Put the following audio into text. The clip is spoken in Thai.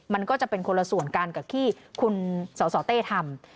มันก็จะเป็นคนละส่วนกันกับที่คุณสสเต้ทำ